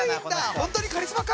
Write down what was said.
本当にカリスマか？